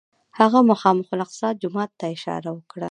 هغه مخامخ الاقصی جومات ته اشاره وکړه.